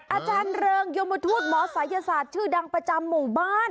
อาจารย์เริงยมทูตหมอศัยศาสตร์ชื่อดังประจำหมู่บ้าน